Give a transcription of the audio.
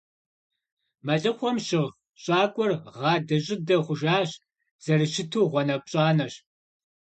Мэлыхъуэм щыгъ щӀакӀуэр гъадэ-щӀыдэ хъужащ, зэрыщыту гъуанэпщӀанэщ.